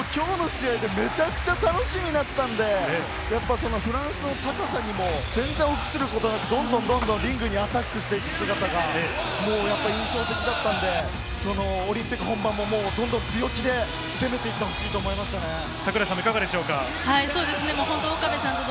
今日の試合はめちゃめちゃ楽しみだったので、フランスの高さにも全然臆することなく、どんどんとリングでアタックしていく姿が印象的だったので、オリンピック本番もどんどんと強気で攻めていってほしいと思いましたね。